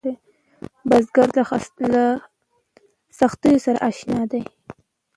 بزګر له سختیو سره اشنا دی